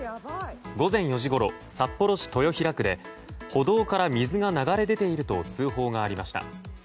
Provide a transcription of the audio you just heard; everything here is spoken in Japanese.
午前４時ごろ、札幌市豊平区で歩道から水が流れ出ていると通報がありました。